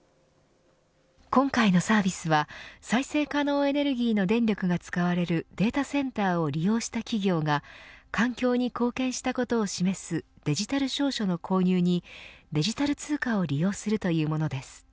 今回のサービスは再生可能エネルギーの電力が使われるデータセンターを利用した企業が環境に貢献したことを示すデジタル証書の購入にデジタル通貨を利用するというものです。